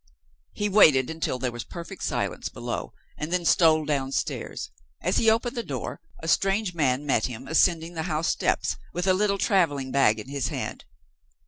He waited until there was perfect silence below, and then stole downstairs. As he opened the door, a strange man met him, ascending the house steps, with a little traveling bag in his hand.